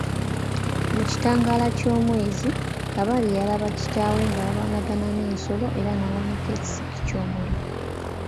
Mu kitangaala ky'omwezi, Kabali yalaba kitaawe ng'alwanagana n'ensolo era n'awanika ekisiki ky'omuliro.